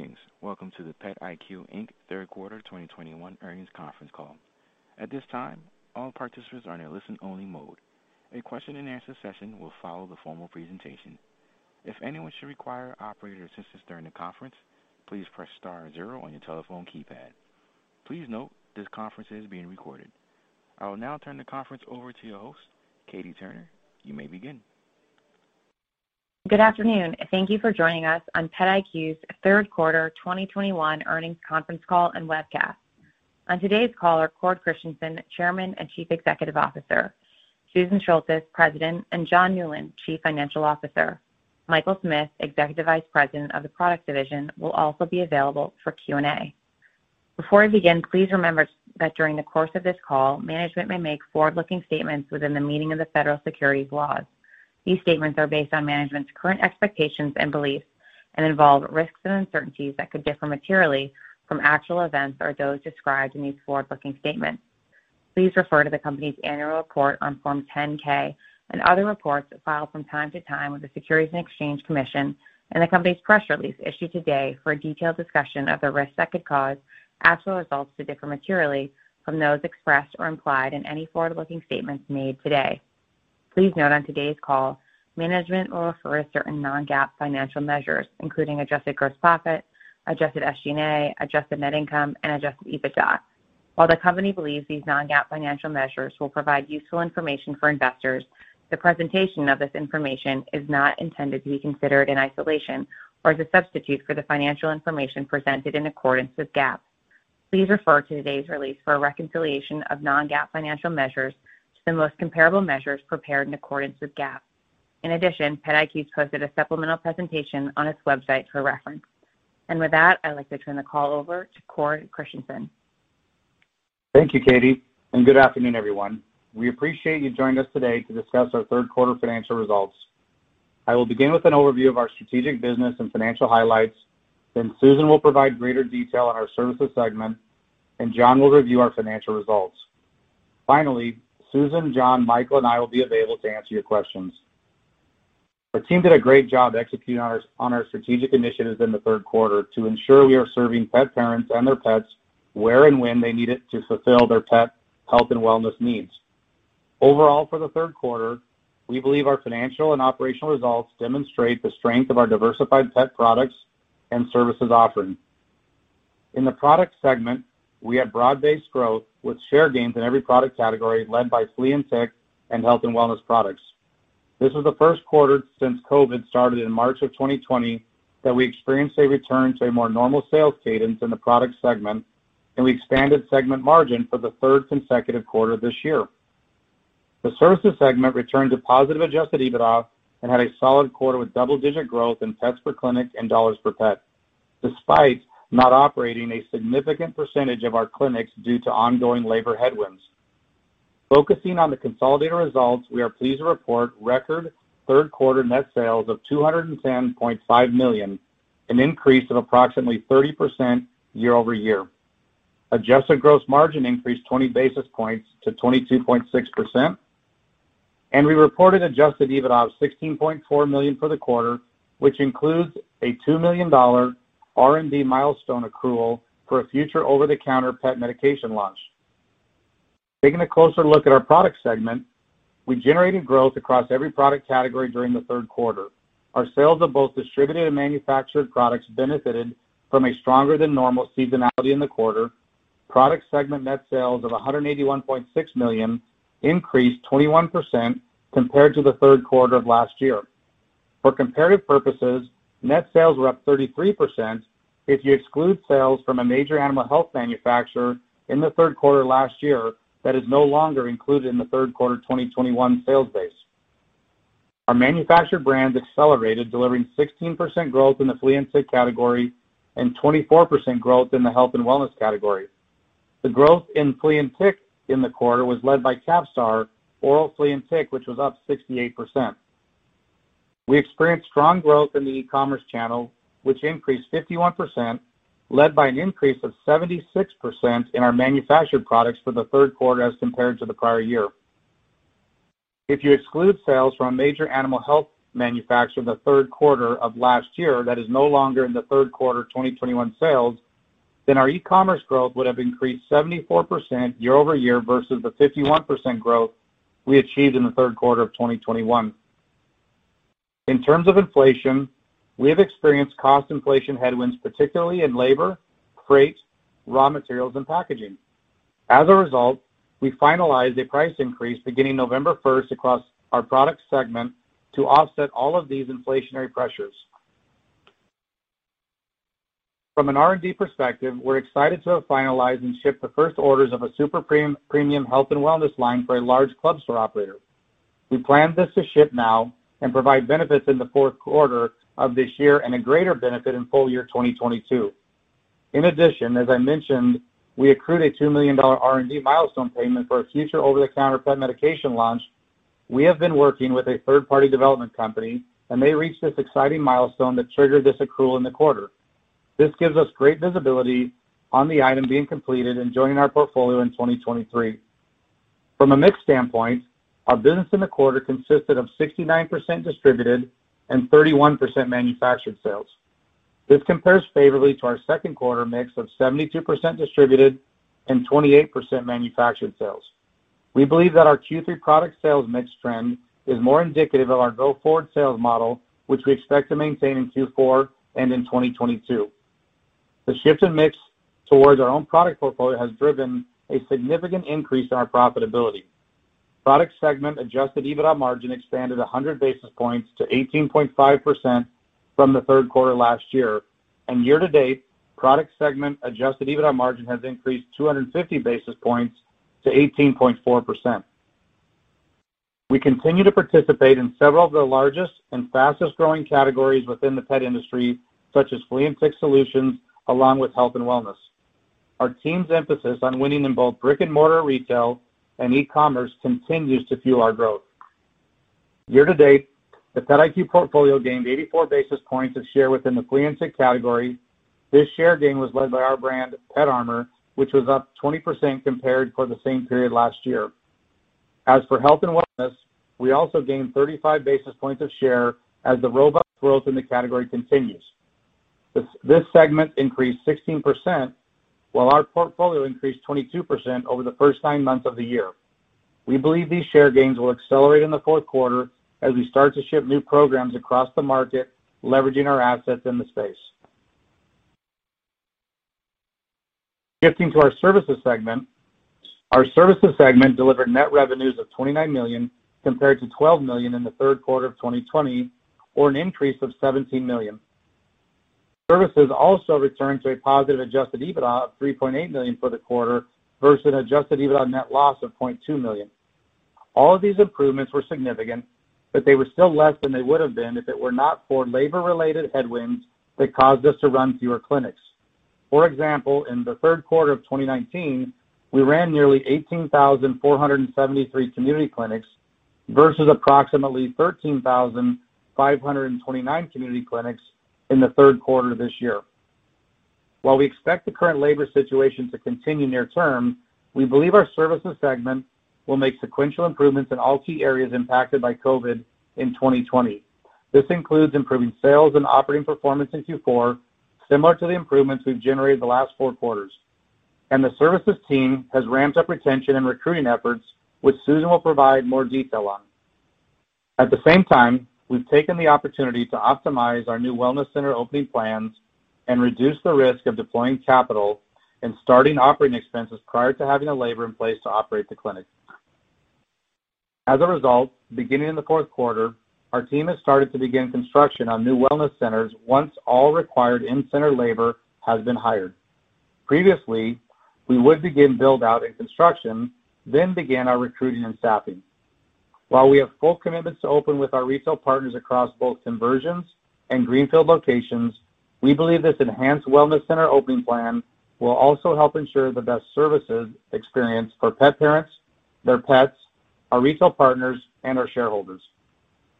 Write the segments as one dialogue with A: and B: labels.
A: Greetings. Welcome to the PetIQ, Inc. Third Quarter 2021 Earnings Conference Call. At this time, all participants are in a listen-only mode. A question-and-answer session will follow the formal presentation. If anyone should require operator assistance during the conference, please press star zero on your telephone keypad. Please note this conference is being recorded. I will now turn the conference over to your host, Katie Turner. You may begin.
B: Good afternoon. Thank you for joining us on PetIQ's third quarter 2021 earnings conference call and webcast. On today's call are Cord Christensen, Chairman and Chief Executive Officer, Susan Sholtis, President, and John Newland, Chief Financial Officer. Michael Smith, Executive Vice President of the Product Division, will also be available for Q&A. Before we begin, please remember that during the course of this call, management may make forward-looking statements within the meaning of the federal securities laws. These statements are based on management's current expectations and beliefs and involve risks and uncertainties that could differ materially from actual events or those described in these forward-looking statements. Please refer to the company's annual report on Form 10-K and other reports filed from time to time with the Securities and Exchange Commission and the company's press release issued today for a detailed discussion of the risks that could cause actual results to differ materially from those expressed or implied in any forward-looking statements made today. Please note on today's call, management will refer to certain non-GAAP financial measures, including adjusted gross profit, adjusted SG&A, adjusted net income, and adjusted EBITDA. While the company believes these non-GAAP financial measures will provide useful information for investors, the presentation of this information is not intended to be considered in isolation or as a substitute for the financial information presented in accordance with GAAP. Please refer to today's release for a reconciliation of non-GAAP financial measures to the most comparable measures prepared in accordance with GAAP. In addition, PetIQ posted a supplemental presentation on its website for reference. With that, I'd like to turn the call over to Cord Christensen.
C: Thank you, Katie, and good afternoon, everyone. We appreciate you joining us today to discuss our third quarter financial results. I will begin with an overview of our strategic business and financial highlights. Then Susan will provide greater detail on our services segment, and John will review our financial results. Finally, Susan, John, Michael, and I will be available to answer your questions. Our team did a great job executing on our strategic initiatives in the third quarter to ensure we are serving pet parents and their pets where and when they need it to fulfill their pet health and wellness needs. Overall, for the third quarter, we believe our financial and operational results demonstrate the strength of our diversified pet products and services offerings. In the product segment, we had broad-based growth with share gains in every product category led by flea and tick and health and wellness products. This was the first quarter since COVID started in March of 2020 that we experienced a return to a more normal sales cadence in the product segment, and we expanded segment margin for the third consecutive quarter this year. The services segment returned to positive adjusted EBITDA and had a solid quarter with double-digit growth in pets per clinic and dollars per pet despite not operating a significant percentage of our clinics due to ongoing labor headwinds. Focusing on the consolidated results, we are pleased to report record third-quarter net sales of $210.5 million, an increase of approximately 30% year-over-year. Adjusted gross margin increased 20 basis points to 22.6%. We reported adjusted EBITDA of $16.4 million for the quarter, which includes a $2 million R&D milestone accrual for a future over-the-counter pet medication launch. Taking a closer look at our product segment, we generated growth across every product category during the third quarter. Our sales of both distributed and manufactured products benefited from a stronger than normal seasonality in the quarter. Product segment net sales of $181.6 million increased 21% compared to the third quarter of last year. For comparative purposes, net sales were up 33% if you exclude sales from a major animal health manufacturer in the third quarter last year that is no longer included in the third quarter 2021 sales base. Our manufactured brands accelerated, delivering 16% growth in the flea and tick category and 24% growth in the health and wellness category. The growth in flea and tick in the quarter was led by CAPSTAR oral flea and tick, which was up 68%. We experienced strong growth in the e-commerce channel, which increased 51%, led by an increase of 76% in our manufactured products for the third quarter as compared to the prior year. If you exclude sales from a major animal health manufacturer in the third quarter of last year that is no longer in the third quarter 2021 sales, then our e-commerce growth would have increased 74% year-over-year versus the 51% growth we achieved in the third quarter of 2021. In terms of inflation, we have experienced cost inflation headwinds, particularly in labor, freight, raw materials, and packaging. As a result, we finalized a price increase beginning November 1 across our product segment to offset all of these inflationary pressures. From an R&D perspective, we're excited to have finalized and shipped the first orders of a super premium health and wellness line for a large club store operator. We plan this to ship now and provide benefits in the fourth quarter of this year and a greater benefit in full year 2022. In addition, as I mentioned, we accrued a $2 million R&D milestone payment for a future over-the-counter pet medication launch. We have been working with a third-party development company, and they reached this exciting milestone that triggered this accrual in the quarter. This gives us great visibility on the item being completed and joining our portfolio in 2023. From a mix standpoint, our business in the quarter consisted of 69% distributed and 31% manufactured sales. This compares favorably to our second quarter mix of 72% distributed and 28% manufactured sales. We believe that our Q3 product sales mix trend is more indicative of our go-forward sales model, which we expect to maintain in Q4 and in 2022. The shift in mix towards our own product portfolio has driven a significant increase in our profitability. Product segment adjusted EBITDA margin expanded 100 basis points to 18.5% from the third quarter last year. Year-to-date, product segment adjusted EBITDA margin has increased 250 basis points to 18.4%. We continue to participate in several of the largest and fastest-growing categories within the pet industry, such as flea and tick solutions, along with health and wellness. Our team's emphasis on winning in both brick-and-mortar retail and e-commerce continues to fuel our growth. Year-to-date, the PetIQ portfolio gained 84 basis points of share within the flea and tick category. This share gain was led by our brand PetArmor, which was up 20% compared to the same period last year. As for health and wellness, we also gained 35 basis points of share as the robust growth in the category continues. This segment increased 16% while our portfolio increased 22% over the first nine months of the year. We believe these share gains will accelerate in the fourth quarter as we start to ship new programs across the market, leveraging our assets in the space. Shifting to our services segment. Our services segment delivered net revenues of $29 million compared to $12 million in the third quarter of 2020, or an increase of $17 million. Services also returned to a positive adjusted EBITDA of $3.8 million for the quarter versus an adjusted EBITDA net loss of $0.2 million. All of these improvements were significant, but they were still less than they would have been if it were not for labor-related headwinds that caused us to run fewer clinics. For example, in the third quarter of 2019, we ran nearly 18,473 community clinics versus approximately 13,529 community clinics in the third quarter this year. While we expect the current labor situation to continue near term, we believe our services segment will make sequential improvements in all key areas impacted by COVID in 2020. This includes improving sales and operating performance in Q4, similar to the improvements we've generated the last 4 quarters. The services team has ramped up retention and recruiting efforts, which Susan will provide more detail on. At the same time, we've taken the opportunity to optimize our new wellness center opening plans and reduce the risk of deploying capital and starting operating expenses prior to having the labor in place to operate the clinic. As a result, beginning in the fourth quarter, our team has started to begin construction on new wellness centers once all required in-center labor has been hired. Previously, we would begin build-out and construction, then begin our recruiting and staffing. While we have full commitments to open with our retail partners across both conversions and greenfield locations, we believe this enhanced wellness center opening plan will also help ensure the best services experience for pet parents, their pets, our retail partners, and our shareholders.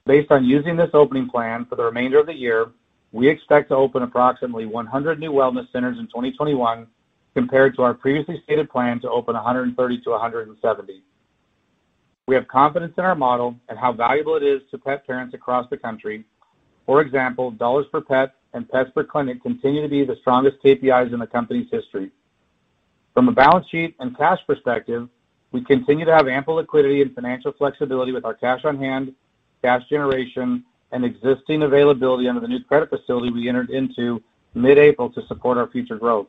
C: Based on using this opening plan for the remainder of the year, we expect to open approximately 100 new wellness centers in 2021 compared to our previously stated plan to open 130-170. We have confidence in our model and how valuable it is to pet parents across the country. For example, dollars per pet and pets per clinic continue to be the strongest KPIs in the company's history. From a balance sheet and cash perspective, we continue to have ample liquidity and financial flexibility with our cash on hand, cash generation, and existing availability under the new credit facility we entered into mid-April to support our future growth.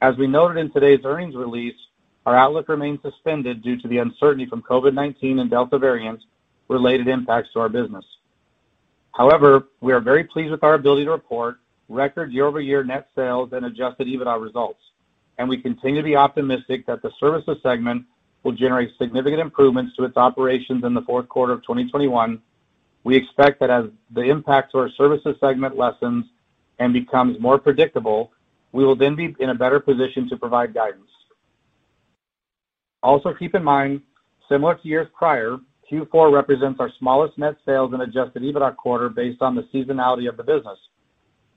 C: As we noted in today's earnings release, our outlook remains suspended due to the uncertainty from COVID-19 and Delta variant related impacts to our business. However, we are very pleased with our ability to report record year-over-year net sales and adjusted EBITDA results. We continue to be optimistic that the services segment will generate significant improvements to its operations in the fourth quarter of 2021. We expect that as the impact to our services segment lessens and becomes more predictable, we will then be in a better position to provide guidance. Also keep in mind, similar to years prior, Q4 represents our smallest net sales and adjusted EBITDA quarter based on the seasonality of the business.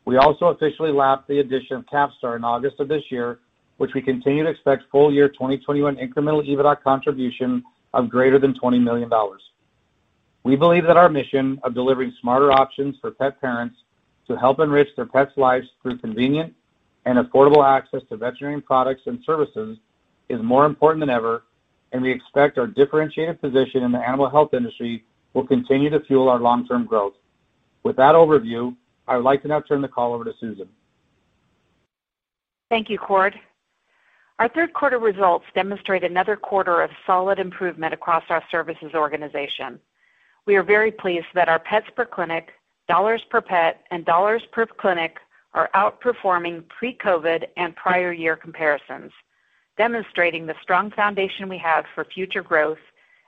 C: We also officially lapped the addition of CAPSTAR in August of this year, which we continue to expect full year 2021 incremental EBITDA contribution of greater than $20 million. We believe that our mission of delivering smarter options for pet parents to help enrich their pets' lives through convenient and affordable access to veterinarian products and services is more important than ever, and we expect our differentiated position in the animal health industry will continue to fuel our long-term growth. With that overview, I would like to now turn the call over to Susan.
D: Thank you, Cord. Our third quarter results demonstrate another quarter of solid improvement across our services organization. We are very pleased that our pets per clinic, dollars per pet, and dollars per clinic are outperforming pre-COVID and prior year comparisons, demonstrating the strong foundation we have for future growth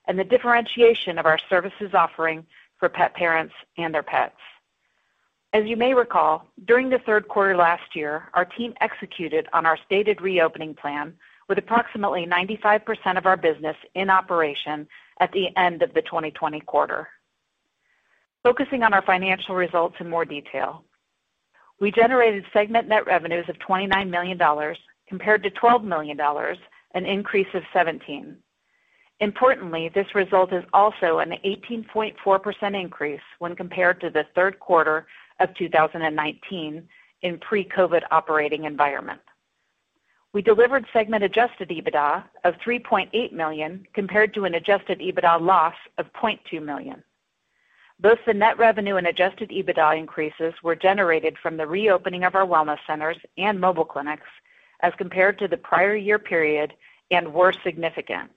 D: and the differentiation of our services offering for pet parents and their pets. As you may recall, during the third quarter last year, our team executed on our stated reopening plan with approximately 95% of our business in operation at the end of the 2020 quarter. Focusing on our financial results in more detail. We generated segment net revenues of $29 million compared to $12 million, an increase of 17. Importantly, this result is also an 18.4% increase when compared to the third quarter of 2019 in pre-COVID operating environment. We delivered segment adjusted EBITDA of $3.8 million compared to an adjusted EBITDA loss of $0.2 million. Both the net revenue and adjusted EBITDA increases were generated from the reopening of our wellness centers and mobile clinics as compared to the prior year period and were significant,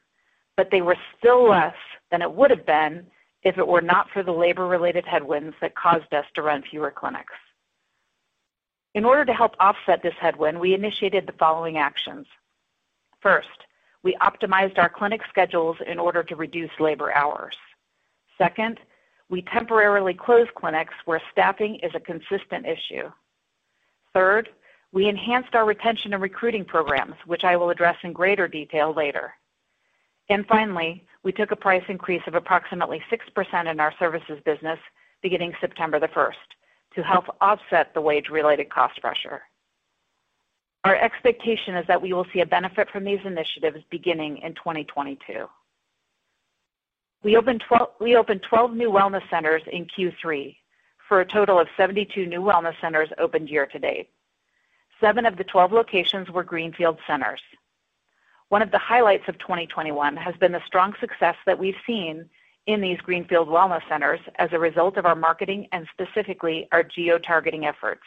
D: but they were still less than it would have been if it were not for the labor-related headwinds that caused us to run fewer clinics. In order to help offset this headwind, we initiated the following actions. First, we optimized our clinic schedules in order to reduce labor hours. Second, we temporarily closed clinics where staffing is a consistent issue. Third, we enhanced our retention and recruiting programs, which I will address in greater detail later. Finally, we took a price increase of approximately 6% in our services business beginning September 1 to help offset the wage-related cost pressure. Our expectation is that we will see a benefit from these initiatives beginning in 2022. We opened 12 new wellness centers in Q3 for a total of 72 new wellness centers opened year to date. Seven of the 12 locations were greenfield centers. One of the highlights of 2021 has been the strong success that we've seen in these greenfield wellness centers as a result of our marketing and specifically our geo-targeting efforts.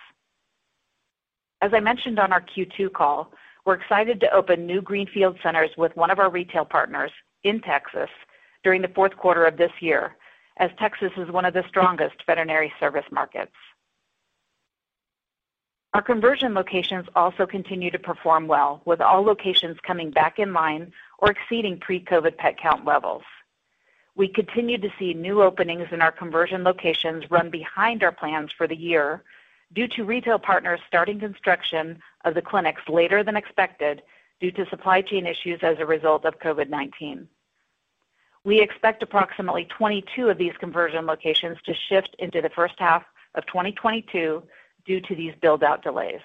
D: As I mentioned on our Q2 call, we're excited to open new greenfield centers with one of our retail partners in Texas during the fourth quarter of this year, as Texas is one of the strongest veterinary service markets. Our conversion locations also continue to perform well, with all locations coming back in line or exceeding pre-COVID pet count levels. We continue to see new openings in our conversion locations run behind our plans for the year due to retail partners starting construction of the clinics later than expected due to supply chain issues as a result of COVID-19. We expect approximately 22 of these conversion locations to shift into the first half of 2022 due to these build-out delays.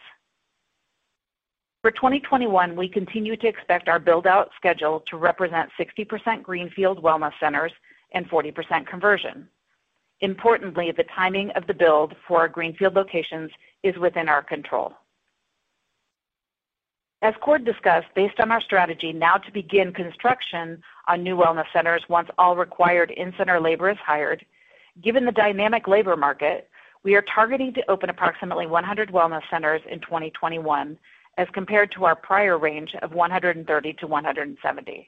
D: For 2021, we continue to expect our build-out schedule to represent 60% greenfield wellness centers and 40% conversion. Importantly, the timing of the build for our greenfield locations is within our control. As Cord discussed, based on our strategy now to begin construction on new wellness centers once all required in-center labor is hired, given the dynamic labor market, we are targeting to open approximately 100 wellness centers in 2021 as compared to our prior range of 130-170.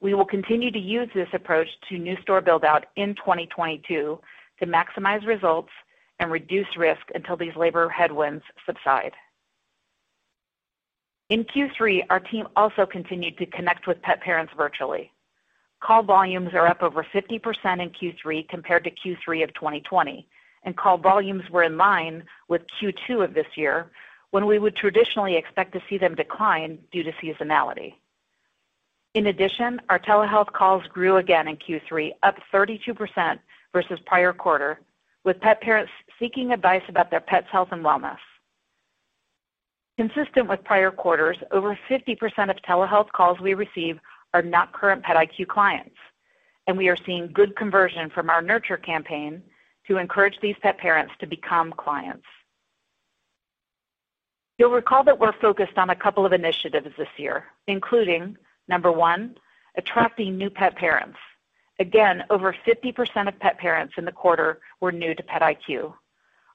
D: We will continue to use this approach to new store build-out in 2022 to maximize results and reduce risk until these labor headwinds subside. In Q3, our team also continued to connect with pet parents virtually. Call volumes are up over 50% in Q3 compared to Q3 of 2020, and call volumes were in line with Q2 of this year when we would traditionally expect to see them decline due to seasonality. In addition, our telehealth calls grew again in Q3, up 32% versus prior quarter, with pet parents seeking advice about their pet's health and wellness. Consistent with prior quarters, over 50% of telehealth calls we receive are not current PetIQ clients, and we are seeing good conversion from our nurture campaign to encourage these pet parents to become clients. You'll recall that we're focused on a couple of initiatives this year, including, number one, attracting new pet parents. Again, over 50% of pet parents in the quarter were new to PetIQ.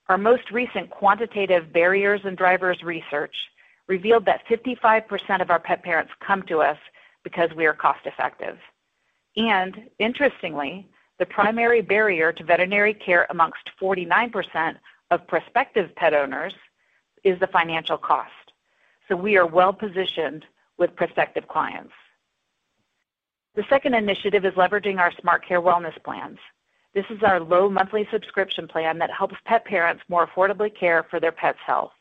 D: Our most recent quantitative barriers and drivers research revealed that 55% of our pet parents come to us because we are cost-effective. Interestingly, the primary barrier to veterinary care amongst 49% of prospective pet owners is the financial cost. We are well-positioned with prospective clients. The second initiative is leveraging our SmartCare wellness plans. This is our low monthly subscription plan that helps pet parents more affordably care for their pet's health.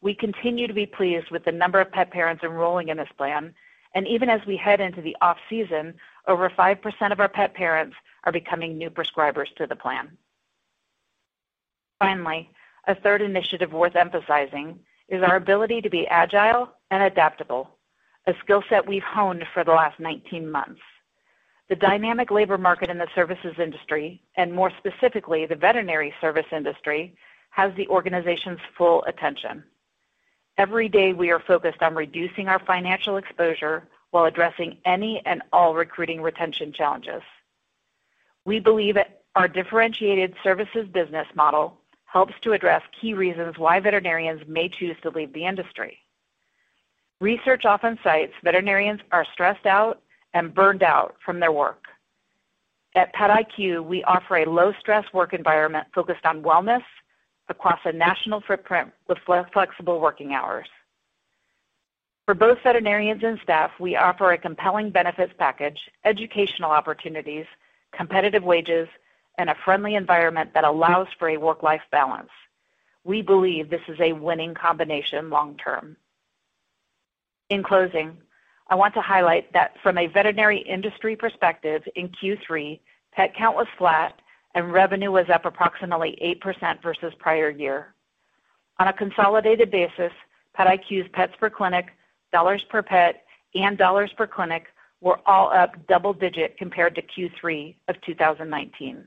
D: We continue to be pleased with the number of pet parents enrolling in this plan, and even as we head into the off-season, over 5% of our pet parents are becoming new prescribers to the plan. Finally, a third initiative worth emphasizing is our ability to be agile and adaptable, a skill set we've honed for the last 19 months. The dynamic labor market in the services industry, and more specifically, the veterinary service industry, has the organization's full attention. Every day, we are focused on reducing our financial exposure while addressing any and all recruiting retention challenges. We believe that our differentiated services business model helps to address key reasons why veterinarians may choose to leave the industry. Research often cites veterinarians are stressed out and burned out from their work. At PetIQ, we offer a low-stress work environment focused on wellness across a national footprint with flexible working hours. For both veterinarians and staff, we offer a compelling benefits package, educational opportunities, competitive wages, and a friendly environment that allows for a work-life balance. We believe this is a winning combination long term. In closing, I want to highlight that from a veterinary industry perspective in Q3, pet count was flat and revenue was up approximately 8% versus prior year. On a consolidated basis, PetIQ's pets per clinic, dollars per pet, and dollars per clinic were all up double digit compared to Q3 of 2019.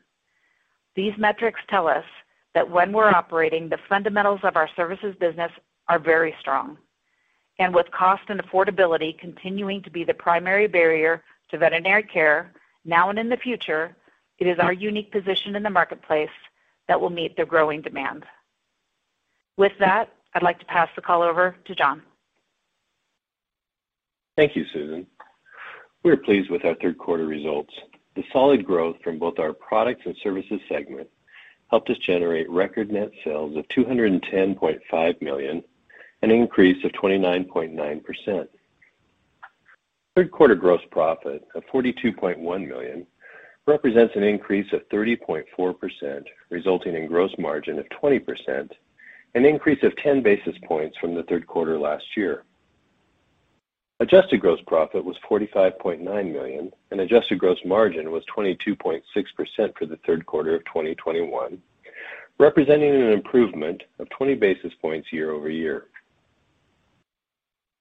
D: These metrics tell us that when we're operating, the fundamentals of our services business are very strong. With cost and affordability continuing to be the primary barrier to veterinary care now and in the future, it is our unique position in the marketplace that will meet the growing demand. With that, I'd like to pass the call over to John.
E: Thank you, Susan. We are pleased with our third quarter results. The solid growth from both our Products and Services segment helped us generate record net sales of $210.5 million, an increase of 29.9%. Third quarter gross profit of $42.1 million represents an increase of 30.4%, resulting in gross margin of 20%, an increase of 10 basis points from the third quarter last year. Adjusted gross profit was $45.9 million, and adjusted gross margin was 22.6% for the third quarter of 2021, representing an improvement of 20 basis points year-over-year.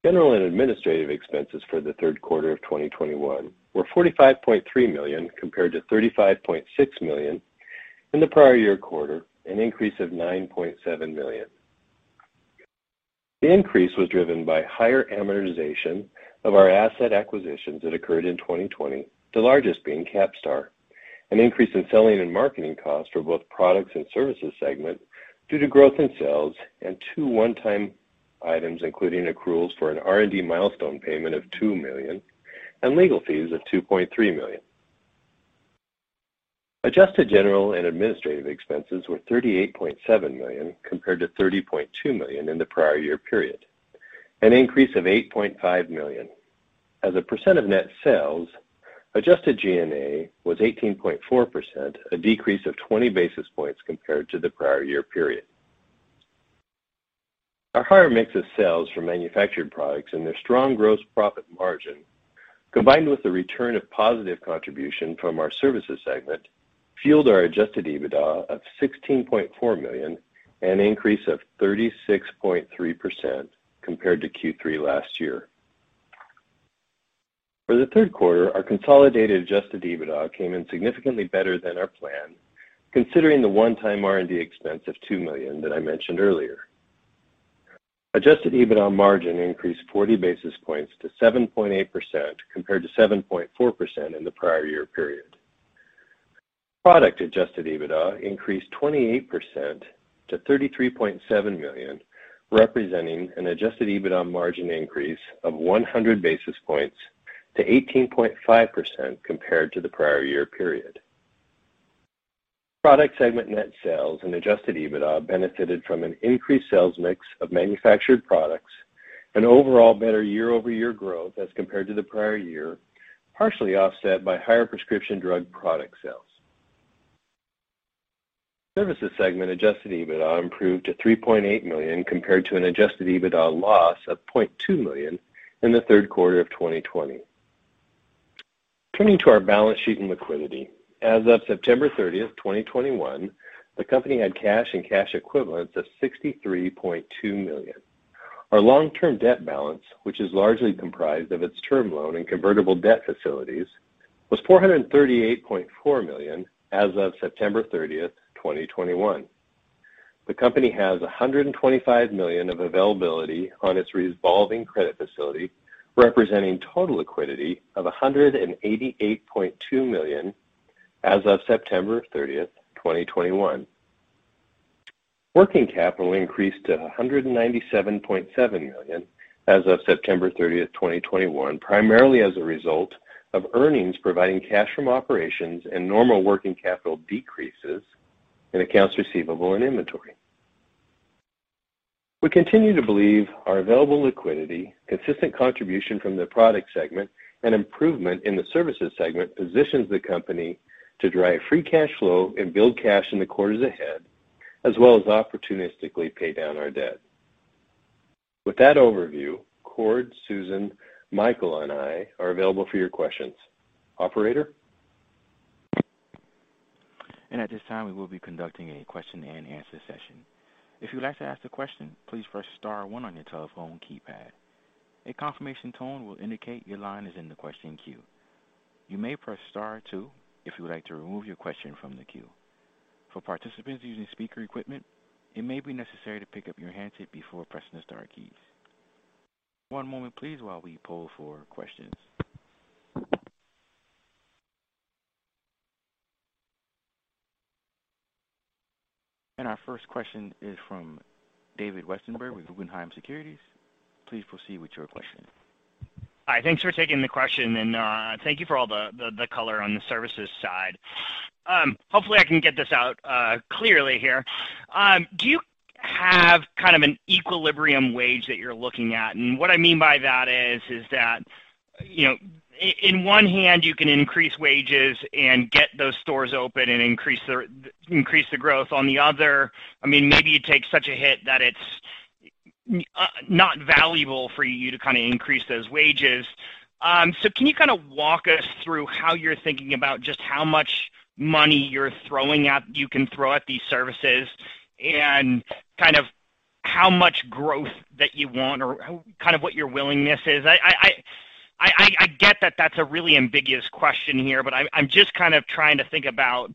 E: General and administrative expenses for the third quarter of 2021 were $45.3 million compared to $35.6 million in the prior year quarter, an increase of $9.7 million. The increase was driven by higher amortization of our asset acquisitions that occurred in 2020, the largest being CAPSTAR. An increase in selling and marketing costs for both Products and Services segment due to growth in sales and two one-time items, including accruals for an R&D milestone payment of $2 million and legal fees of $2.3 million. Adjusted general and administrative expenses were $38.7 million compared to $30.2 million in the prior year period, an increase of $8.5 million. As a percent of net sales, adjusted G&A was 18.4%, a decrease of 20 basis points compared to the prior year period. Our higher mix of sales from manufactured products and their strong gross profit margin, combined with the return of positive contribution from our services segment, fueled our adjusted EBITDA of $16.4 million, an increase of 36.3% compared to Q3 last year. For the third quarter, our consolidated adjusted EBITDA came in significantly better than our plan, considering the one-time R&D expense of $2 million that I mentioned earlier. Adjusted EBITDA margin increased 40 basis points to 7.8% compared to 7.4% in the prior year period. Product adjusted EBITDA increased 28% to $33.7 million, representing an adjusted EBITDA margin increase of 100 basis points to 18.5% compared to the prior year period. Product segment net sales and adjusted EBITDA benefited from an increased sales mix of manufactured products, an overall better year-over-year growth as compared to the prior year, partially offset by higher prescription drug product sales. Services segment adjusted EBITDA improved to $3.8 million compared to an adjusted EBITDA loss of $0.2 million in the third quarter of 2020. Turning to our balance sheet and liquidity. As of September 30, 2021, the company had cash and cash equivalents of $63.2 million. Our long-term debt balance, which is largely comprised of its term loan and convertible debt facilities, was $438.4 million as of September 30, 2021. The company has $125 million of availability on its revolving credit facility, representing total liquidity of $188.2 million as of September 30, 2021. Working capital increased to $197.7 million as of September 30, 2021, primarily as a result of earnings providing cash from operations and normal working capital decreases in accounts receivable and inventory. We continue to believe our available liquidity, consistent contribution from the product segment, and improvement in the services segment positions the company to drive free cash flow and build cash in the quarters ahead, as well as opportunistically pay down our debt. With that overview, Cord, Susan, Michael, and I are available for your questions. Operator.
A: At this time, we will be conducting a question and answer session. If you'd like to ask a question, please press star one on your telephone keypad. A confirmation tone will indicate your line is in the question queue. You may press star two if you would like to remove your question from the queue. For participants using speaker equipment, it may be necessary to pick up your handset before pressing the star keys. One moment please while we poll for questions. Our first question is from David Westenberg with Guggenheim Securities. Please proceed with your question.
F: Hi. Thanks for taking the question, and thank you for all the color on the services side. Hopefully, I can get this out clearly here. Do you have kind of an equilibrium wage that you're looking at? And what I mean by that is that you know, on the one hand, you can increase wages and get those stores open and increase the growth. On the other, I mean, maybe you take such a hit that it's not valuable for you to kinda increase those wages. So can you kinda walk us through how you're thinking about just how much money you can throw at these services and kind of how much growth that you want or kind of what your willingness is? I get that that's a really ambiguous question here, but I'm just kind of trying to think about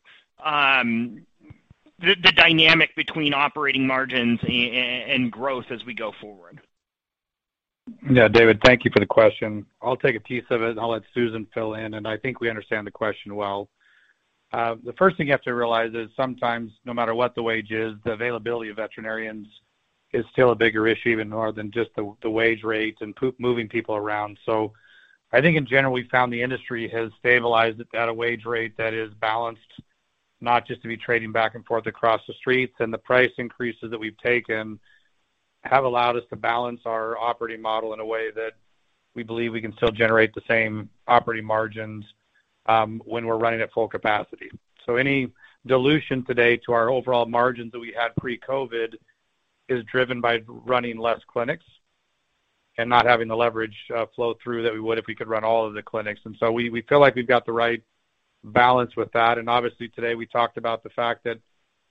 F: the dynamic between operating margins and growth as we go forward.
C: Yeah, David, thank you for the question. I'll take a piece of it and I'll let Susan fill in, and I think we understand the question well. The first thing you have to realize is sometimes no matter what the wage is, the availability of veterinarians is still a bigger issue even more than just the wage rates and moving people around. I think in general, we found the industry has stabilized at a wage rate that is balanced, not just to be trading back and forth across the streets. The price increases that we've taken have allowed us to balance our operating model in a way that we believe we can still generate the same operating margins when we're running at full capacity. Any dilution today to our overall margins that we had pre-COVID is driven by running less clinics and not having the leverage flow through that we would if we could run all of the clinics. We feel like we've got the right balance with that. Obviously, today we talked about the fact that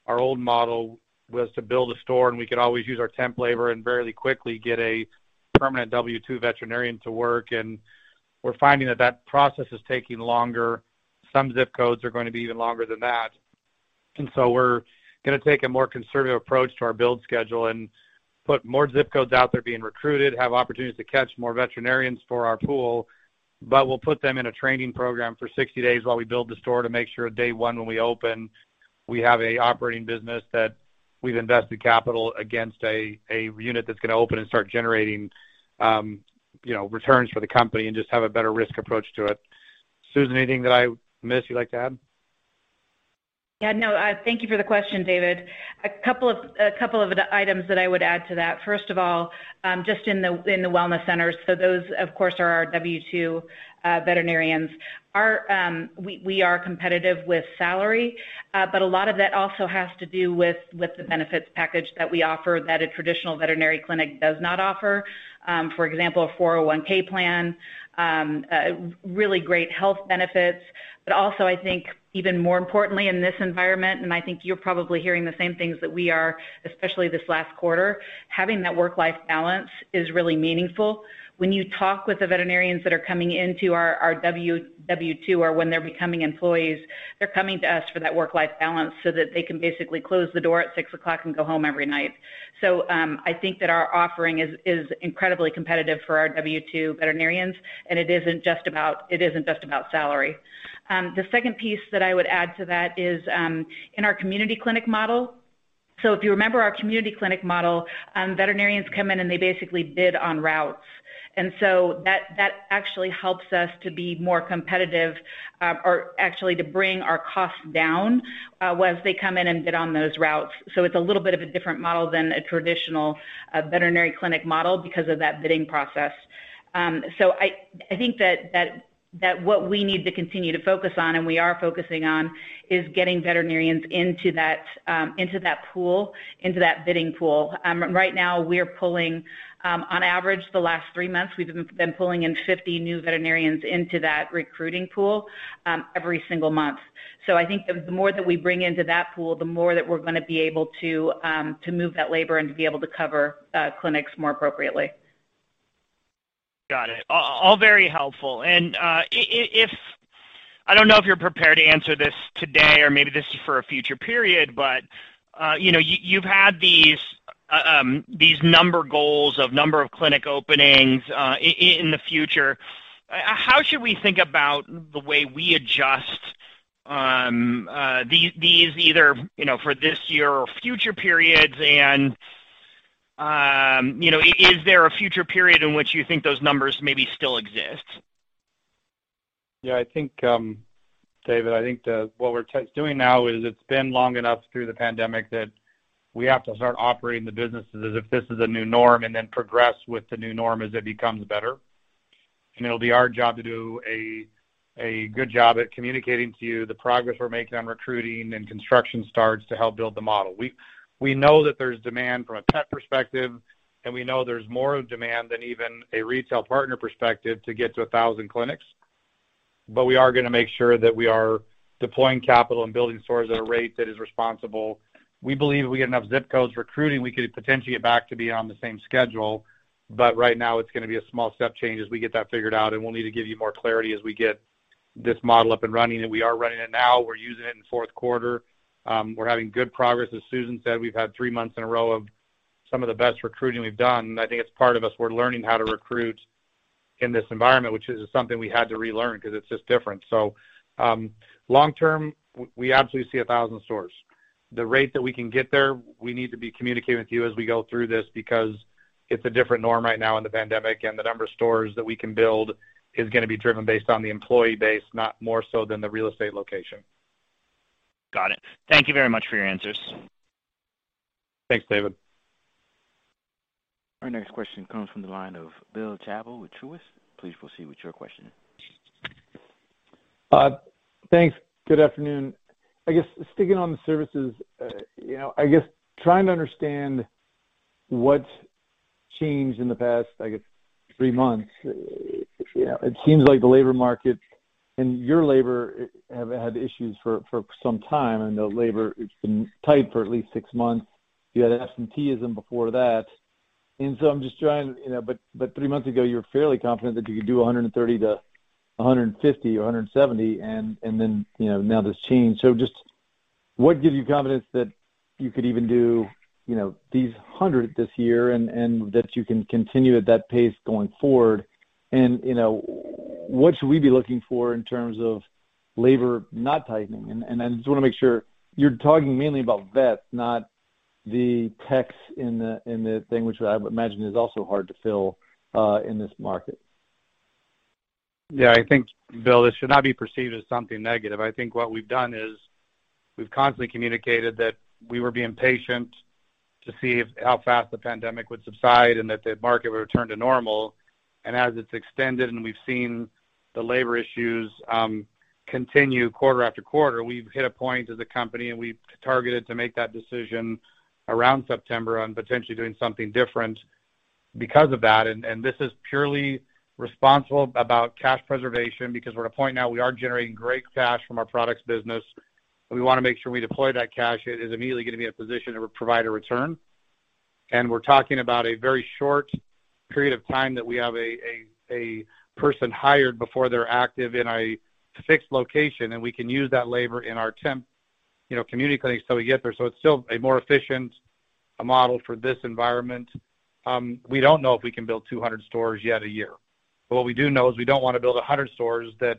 C: our old model was to build a store, and we could always use our temp labor and very quickly get a permanent W-2 veterinarian to work. We're finding that that process is taking longer. Some ZIP codes are going to be even longer than that. We're gonna take a more conservative approach to our build schedule and put more ZIP codes out there being recruited, have opportunities to catch more veterinarians for our pool, but we'll put them in a training program for 60 days while we build the store to make sure day one when we open, we have a operating business that we've invested capital against a unit that's gonna open and start generating returns for the company and just have a better risk approach to it. Susan, anything that I missed you'd like to add?
D: Yeah, no. Thank you for the question, David. A couple of items that I would add to that. First of all, just in the wellness centers, so those, of course, are our W-2 veterinarians. We are competitive with salary, but a lot of that also has to do with the benefits package that we offer that a traditional veterinary clinic does not offer. For example, a 401(k) plan, really great health benefits. But also, I think even more importantly in this environment, and I think you're probably hearing the same things that we are, especially this last quarter, having that work-life balance is really meaningful. When you talk with the veterinarians that are coming into our W-2 or when they're becoming employees, they're coming to us for that work-life balance so that they can basically close the door at six o'clock and go home every night. I think that our offering is incredibly competitive for our W-2 veterinarians, and it isn't just about salary. The second piece that I would add to that is in our community clinic model. If you remember our community clinic model, veterinarians come in, and they basically bid on routes. That actually helps us to be more competitive or actually to bring our costs down once they come in and bid on those routes. It's a little bit of a different model than a traditional veterinary clinic model because of that bidding process. I think that what we need to continue to focus on, and we are focusing on, is getting veterinarians into that pool, into that bidding pool. Right now we're pulling on average, the last three months, we've been pulling in 50 new veterinarians into that recruiting pool every single month. I think the more that we bring into that pool, the more that we're gonna be able to move that labor and to be able to cover clinics more appropriately.
F: Got it. All very helpful. I don't know if you're prepared to answer this today or maybe this is for a future period, but you know, you've had these number goals of number of clinic openings in the future. How should we think about the way we adjust these either, you know, for this year or future periods? You know, is there a future period in which you think those numbers maybe still exist?
C: Yeah, I think, David, what we're doing now is it's been long enough through the pandemic that we have to start operating the businesses as if this is a new norm and then progress with the new norm as it becomes better. It'll be our job to do a good job at communicating to you the progress we're making on recruiting and construction starts to help build the model. We know that there's demand from a pet perspective, and we know there's more demand than even a retail partner perspective to get to 1,000 clinics. We are gonna make sure that we are deploying capital and building stores at a rate that is responsible. We believe if we get enough ZIP codes recruiting, we could potentially get back to be on the same schedule. Right now, it's gonna be a small step change as we get that figured out, and we'll need to give you more clarity as we get this model up and running. We are running it now. We're using it in fourth quarter. We're having good progress. As Susan said, we've had three months in a row of some of the best recruiting we've done. I think it's part of us. We're learning how to recruit in this environment, which is something we had to relearn because it's just different. Long term, we absolutely see a thousand stores. The rate that we can get there, we need to be communicating with you as we go through this because it's a different norm right now in the pandemic, and the number of stores that we can build is gonna be driven based on the employee base, not more so than the real estate location.
F: Got it. Thank you very much for your answers.
C: Thanks, David.
A: Our next question comes from the line of Bill Chappell with Truist. Please proceed with your question.
G: Thanks. Good afternoon. I guess sticking on the services, you know, I guess trying to understand what's changed in the past, I guess, 3 months. You know, it seems like the labor market and your labor have had issues for some time, and the labor it's been tight for at least 6 months. You had absenteeism before that. I'm just trying. You know, but 3 months ago, you were fairly confident that you could do 130 to 150 or 170 and then, you know, now there's change. So just what gives you confidence that you could even do, you know these 100 this year and that you can continue at that pace going forward? You know, what should we be looking for in terms of labor not tightening? I just wanna make sure you're talking mainly about vets, not the techs in the thing which I would imagine is also hard to fill in this market.
C: Yeah. I think, Bill, this should not be perceived as something negative. I think what we've done is we've constantly communicated that we were being patient to see how fast the pandemic would subside and that the market would return to normal. It's extended, and we've seen the labor issues continue quarter after quarter. We've hit a point as a company, and we targeted to make that decision around September on potentially doing something different because of that. This is purely responsible about cash preservation because we're at a point now we are generating great cash from our products business, and we wanna make sure we deploy that cash. It is immediately gonna be in a position to provide a return. We're talking about a very short period of time that we have a person hired before they're active in a fixed location, and we can use that labor in our temp, you know, community clinics till we get there. It's still a more efficient model for this environment. We don't know if we can build 200 stores yet a year. What we do know is we don't wanna build 100 stores that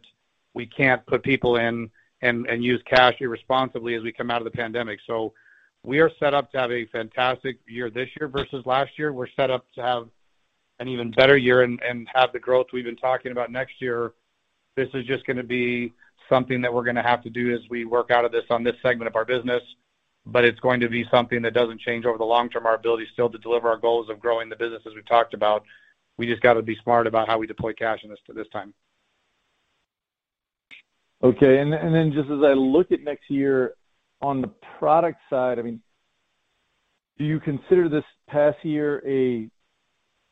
C: we can't put people in and use cash irresponsibly as we come out of the pandemic. We are set up to have a fantastic year this year versus last year. We're set up to have an even better year and have the growth we've been talking about next year. This is just gonna be something that we're gonna have to do as we work out of this on this segment of our business. It's going to be something that doesn't change over the long term, our ability still to deliver our goals of growing the business as we talked about. We just got to be smart about how we deploy cash at this time.
G: Okay. Then just as I look at next year on the product side, I mean, do you consider this past year an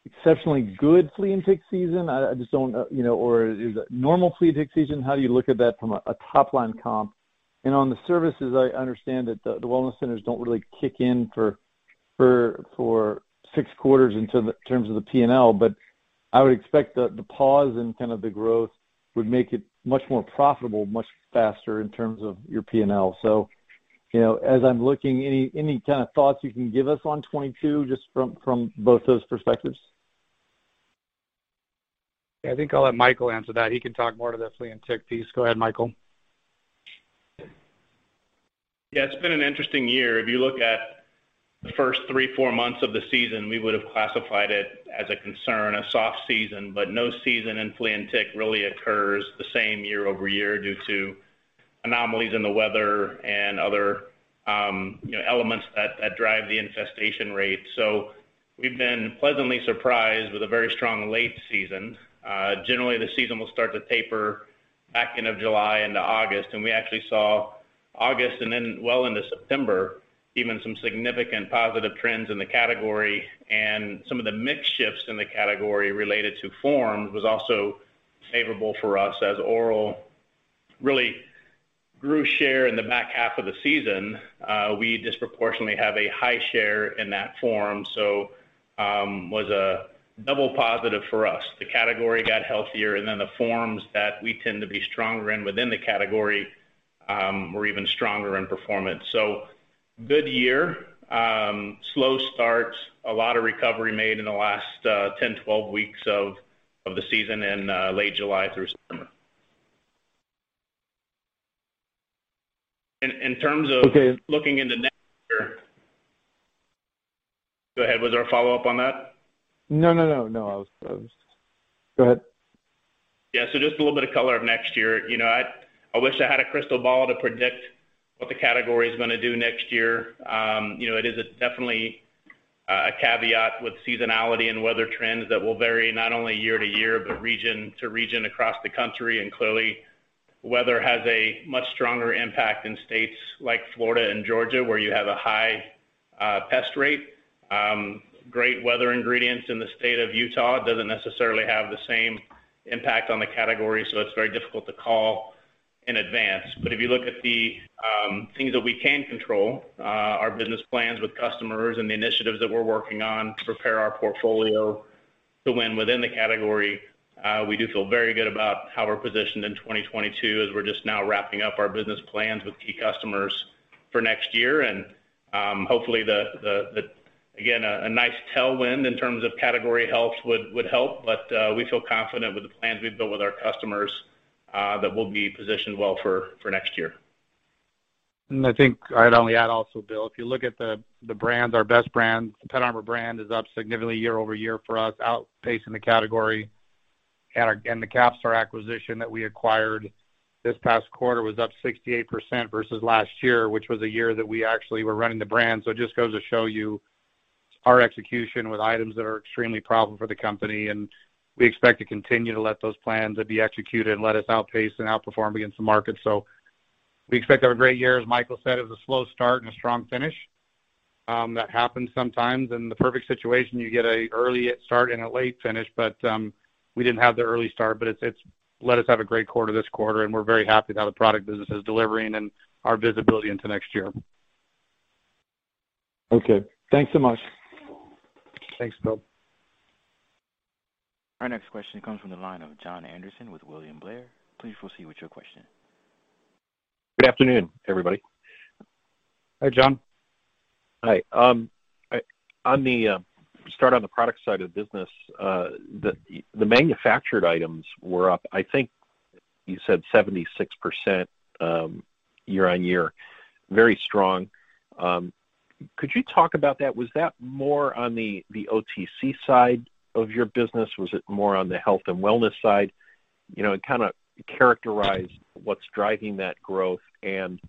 G: exceptionally good flea and tick season? I just don't. You know, or is it normal flea and tick season? How do you look at that from a top line comp? On the services, I understand that the wellness centers don't really kick in for six quarters in terms of the P&L, but I would expect the pause in kind of the growth would make it much more profitable, much faster in terms of your P&L. You know, as I'm looking, any kind of thoughts you can give us on 2022, just from both those perspectives?
C: I think I'll let Michael answer that. He can talk more to the flea and tick piece. Go ahead, Michael.
H: Yeah. It's been an interesting year. If you look at the first three, four months of the season, we would have classified it as a concern, a soft season, but no season in flea and tick really occurs the same year-over-year due to anomalies in the weather and other, you know, elements that drive the infestation rate. We've been pleasantly surprised with a very strong late season. Generally, the season will start to taper back end of July into August. We actually saw August and then well into September, even some significant positive trends in the category. Some of the mix shifts in the category related to forms was also favorable for us as oral really grew share in the back half of the season. We disproportionately have a high share in that form, so was a double positive for us. The category got healthier, and then the forms that we tend to be stronger in within the category were even stronger in performance. Good year. Slow start. A lot of recovery made in the last 10-12 weeks of the season in late July through September. In terms of-
G: Okay
H: looking into next year. Go ahead. Was there a follow-up on that?
G: No. Go ahead.
H: Yeah. Just a little bit of color on next year. I wish I had a crystal ball to predict what the category is gonna do next year. It is definitely a caveat with seasonality and weather trends that will vary not only year to year, but region to region across the country. Clearly, weather has a much stronger impact in states like Florida and Georgia, where you have a high pest rate. Great weather in the state of Utah doesn't necessarily have the same impact on the category, so it's very difficult to call in advance. If you look at the things that we can control, our business plans with customers and the initiatives that we're working on to prepare our portfolio to win within the category, we do feel very good about how we're positioned in 2022 as we're just now wrapping up our business plans with key customers for next year. Hopefully, again, a nice tailwind in terms of category health would help, but we feel confident with the plans we've built with our customers, that we'll be positioned well for next year.
C: I think I'd only add also, Bill, if you look at the brands, our best brands, PetArmor brand is up significantly year-over-year for us, outpacing the category. Our CAPSTAR acquisition that we acquired this past quarter was up 68% versus last year, which was a year that we actually were running the brand. It just goes to show you our execution with items that are extremely problematic for the company, and we expect to continue to let those plans to be executed and let us outpace and outperform against the market. We expect to have a great year. As Michael said, it was a slow start and a strong finish. That happens sometimes. In the perfect situation, you get an early start and a late finish, but we didn't have the early start, but it's let us have a great quarter this quarter, and we're very happy how the product business is delivering and our visibility into next year.
G: Okay. Thanks so much.
C: Thanks, Bill.
A: Our next question comes from the line of Jon Andersen with William Blair. Please proceed with your question.
I: Good afternoon, everybody.
C: Hi, Jon.
I: Hi. On the start on the product side of the business, the manufactured items were up, I think you said 76%, year-on-year. Very strong. Could you talk about that? Was that more on the OTC side of your business? Was it more on the health and wellness side? You know, and kind of characterize what's driving that growth and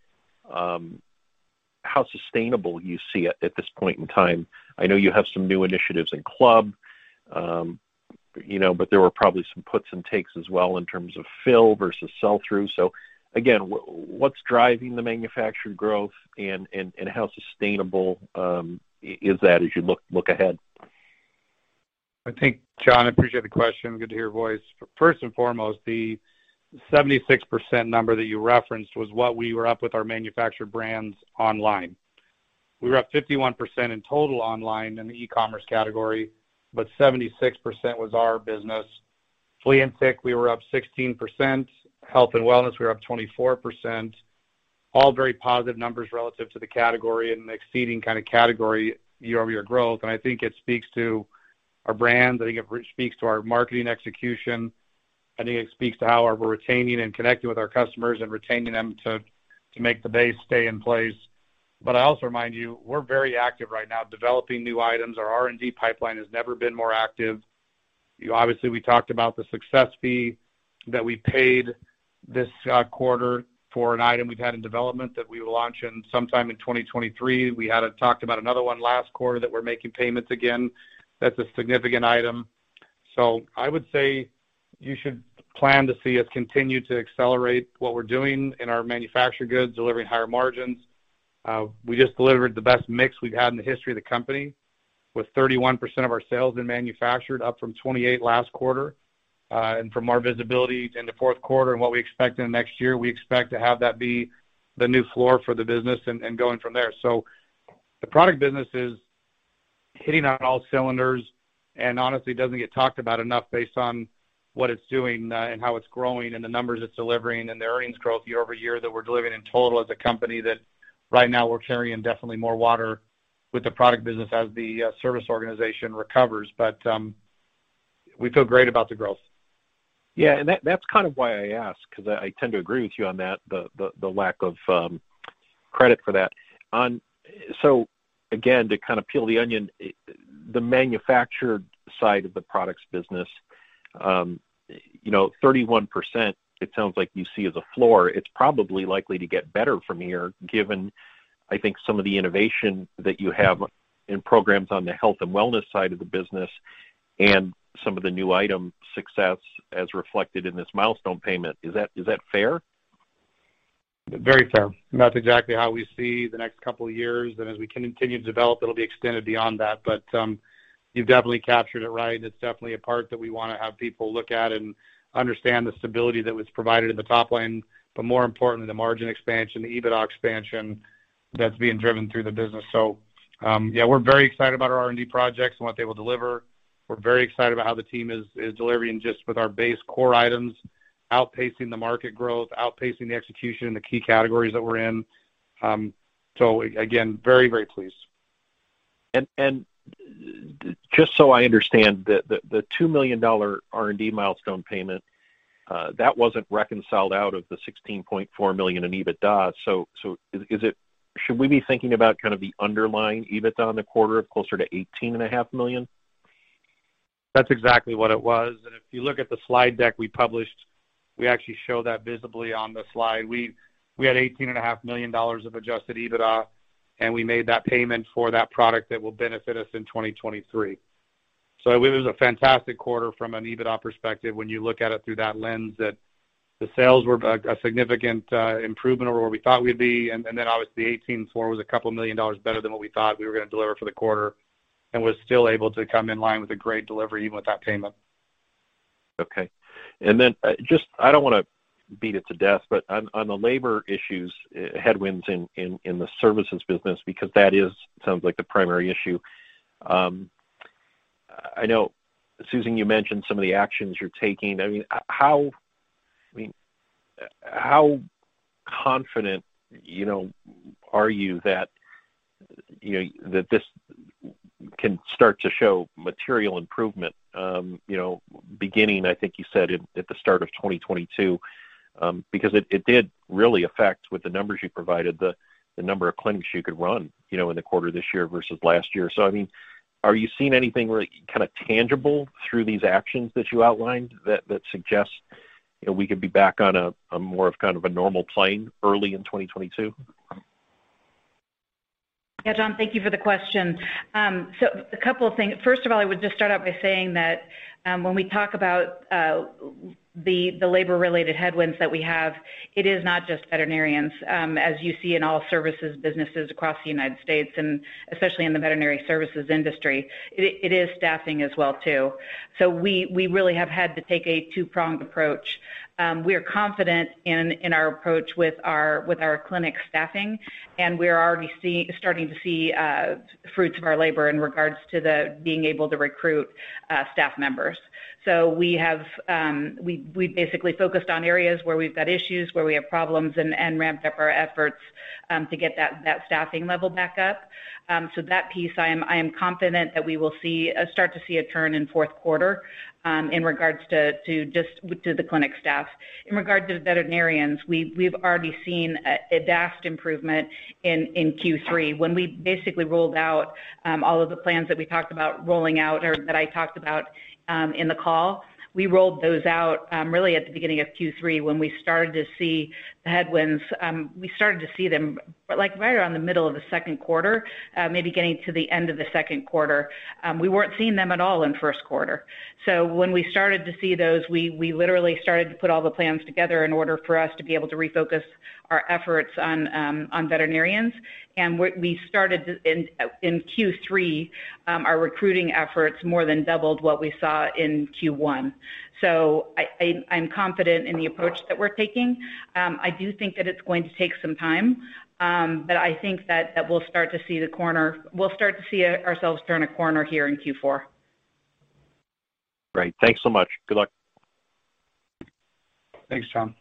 I: how sustainable you see it at this point in time. I know you have some new initiatives in club, you know, but there were probably some puts and takes as well in terms of fill versus sell-through. Again, what's driving the manufactured growth and how sustainable is that as you look ahead?
C: I think, Jon, I appreciate the question. Good to hear your voice. First and foremost, the 76% number that you referenced was what we were up with our manufactured brands online. We were up 51% in total online in the e-commerce category, but 76% was our business. Flea and Tick, we were up 16%. Health and Wellness, we were up 24%. All very positive numbers relative to the category and exceeding kind of category year-over-year growth. I think it speaks to our brand. I think it speaks to our marketing execution. I think it speaks to how we're retaining and connecting with our customers and retaining them to make the base stay in place. I also remind you, we're very active right now developing new items. Our R&D pipeline has never been more active. You know, obviously, we talked about the success fee that we paid this quarter for an item we've had in development that we will launch in sometime in 2023. We had talked about another one last quarter that we're making payments again. That's a significant item. I would say you should plan to see us continue to accelerate what we're doing in our manufactured goods, delivering higher margins. We just delivered the best mix we've had in the history of the company, with 31% of our sales in manufactured up from 28% last quarter. From our visibility into fourth quarter and what we expect in the next year, we expect to have that be the new floor for the business and going from there. The product business is hitting on all cylinders and honestly doesn't get talked about enough based on what it's doing, and how it's growing and the numbers it's delivering and the earnings growth year-over-year that we're delivering in total as a company that right now we're carrying definitely more water with the product business as the service organization recovers. We feel great about the growth.
I: Yeah, that's kind of why I ask because I tend to agree with you on that, the lack of credit for that. Again, to kind of peel the onion, the manufactured side of the products business, you know, 31%, it sounds like you see as a floor, it's probably likely to get better from here, given I think some of the innovation that you have in programs on the health and wellness side of the business and some of the new item success as reflected in this milestone payment. Is that fair?
C: Very fair. That's exactly how we see the next couple of years. As we can continue to develop, it'll be extended beyond that. You've definitely captured it right, and it's definitely a part that we want to have people look at and understand the stability that was provided in the top line, but more importantly, the margin expansion, the EBITDA expansion that's being driven through the business. Yeah, we're very excited about our R&D projects and what they will deliver. We're very excited about how the team is delivering just with our base core items, outpacing the market growth, outpacing the execution in the key categories that we're in. Again, very, very pleased.
I: Just so I understand, the $2 million R&D milestone payment that wasn't reconciled out of the $16.4 million in EBITDA. Is it—should we be thinking about kind of the underlying EBITDA in the quarter closer to $18.5 million?
C: That's exactly what it was. If you look at the slide deck we published, we actually show that visibly on the slide. We had $18.5 million of adjusted EBITDA, and we made that payment for that product that will benefit us in 2023. It was a fantastic quarter from an EBITDA perspective when you look at it through that lens, that the sales were a significant improvement over where we thought we'd be. And then obviously the $18.4 was a couple of million dollars better than what we thought we were gonna deliver for the quarter and was still able to come in line with a great delivery even with that payment.
I: Okay. Just I don't wanna beat it to death, but on the labor issues, headwinds in the services business, because that sounds like the primary issue. I know, Susan, you mentioned some of the actions you're taking. I mean, how confident, you know, are you that this can start to show material improvement, beginning, I think you said at the start of 2022? Because it did really affect with the numbers you provided, the number of clinics you could run, you know, in the quarter this year versus last year. I mean, are you seeing anything like kinda tangible through these actions that you outlined that suggest, you know, we could be back on a more of kind of a normal plane early in 2022?
D: Yeah. Jon, thank you for the question. A couple of things. First of all, I would just start out by saying that, when we talk about the labor-related headwinds that we have, it is not just veterinarians. As you see in all services businesses across the United States, and especially in the veterinary services industry, it is staffing as well too. We really have had to take a two-pronged approach. We are confident in our approach with our clinic staffing, and we're already starting to see fruits of our labor in regards to being able to recruit staff members. We basically focused on areas where we've got issues, where we have problems and ramped up our efforts to get that staffing level back up. That piece I am confident that we will start to see a turn in fourth quarter in regards to just the clinic staff. In regards to veterinarians, we've already seen a vast improvement in Q3 when we basically rolled out all of the plans that we talked about rolling out or that I talked about in the call. We rolled those out really at the beginning of Q3 when we started to see the headwinds. We started to see them but like right around the middle of the second quarter, maybe getting to the end of the second quarter. We weren't seeing them at all in first quarter. When we started to see those, we literally started to put all the plans together in order for us to be able to refocus our efforts on veterinarians. In Q3, our recruiting efforts more than doubled what we saw in Q1. I'm confident in the approach that we're taking. I do think that it's going to take some time, but I think that we'll start to see ourselves turn a corner here in Q4.
I: Great. Thanks so much. Good luck.
C: Thanks, Jon.